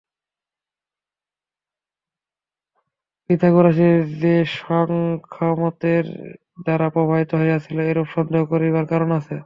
Pythagoras যে সাংখ্যমতের দ্বারা প্রভাবিত হইয়াছিলেন, এরূপ সন্দেহ করিবার কারণ আছে।